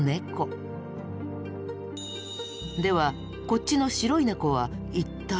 ではこっちの白い猫は一体。